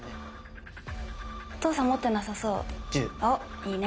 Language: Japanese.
いいね。